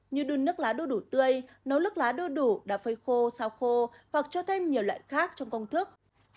như đun nước lá đu đủ tươi nấu nước lá đu đủ cà phê khô sao khô hoặc cho thêm nhiều loại khác trong công thức